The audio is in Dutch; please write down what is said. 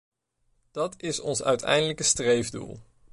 Dat is ons uiteindelijke streefdoel.